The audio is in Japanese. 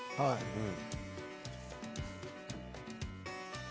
うん。